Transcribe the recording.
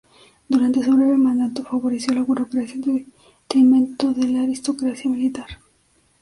Durante su breve mandato, favoreció a la burocracia en detrimento de la aristocracia militar.